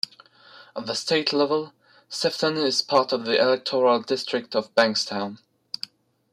At the state level, Sefton is part of the electoral district of Bankstown.